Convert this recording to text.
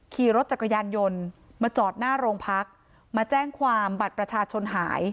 ขี่รถจักรยานยนต์มาจอดหน้าโรงพักมาแจ้งความบัตรประชาชนหาย